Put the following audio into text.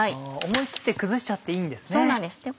思い切って崩しちゃっていいんですね。